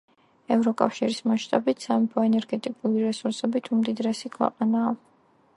ევროკავშირის მასშტაბით სამეფო ენერგეტიკული რესურსებით უმდიდრესი ქვეყანაა.